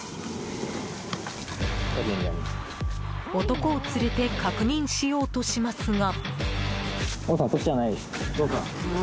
男を連れて確認しようとしますが。